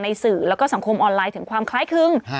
สื่อแล้วก็สังคมออนไลน์ถึงความคล้ายคลึง